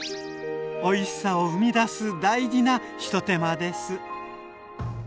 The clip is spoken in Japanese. おいしさを生み出す大事な一手間です。